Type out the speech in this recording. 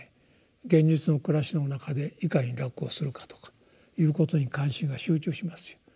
現実の暮らしの中でいかに楽をするかとかいうことに関心が集中しますよ。